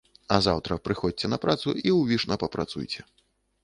А заўтра прыходзьце на працу, і ўвішна працуйце.